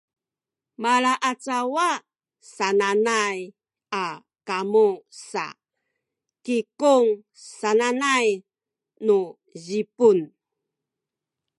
malaacawa sananay a kamu sa “kikung” sananay nu Zipun